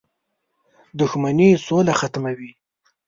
• دښمني سوله ختموي.